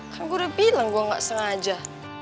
kan gua udah bilang gua ga sengaja